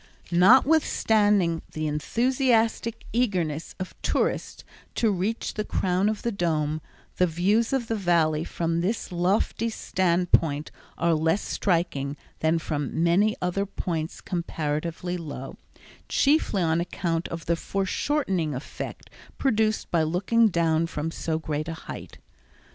Notwithstanding the enthusiastic eagerness of tourists to reach the crown of the Dome the views of the Valley from this lofty standpoint are less striking than from many other points comparatively low, chiefly on account of the foreshortening effect produced by looking down from so great a height.